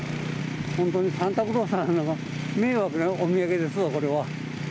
本当にサンタクロースの迷惑なお土産ですわ、これは。